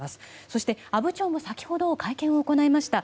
そして、阿武町も先ほど会見を行いました。